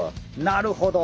なるほど！